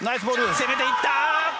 攻めていった。